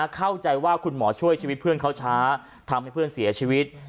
เข้าใจว่าคุณหมอช่วยชีวิตเพื่อนเขาช้าทำให้เพื่อนเสียชีวิต